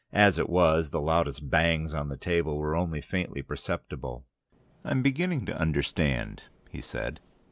As it was, the loudest bangs on the table were only faintly perceptible. "I'm beginning to understand," he said.